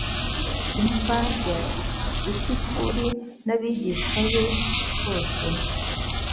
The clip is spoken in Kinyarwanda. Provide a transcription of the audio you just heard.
imva ya Epikuri n'abigishwa be bose